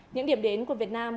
những điểm đến của việt nam